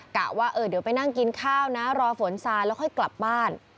กะว่าเออเดี๋ยวไปนั่งกินข้าวนะรอฝนทรายแล้วค่อยกลับบ้าน